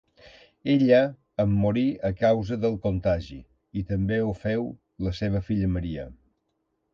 Ella en morí a causa del contagi i també ho féu la seva filla Maria.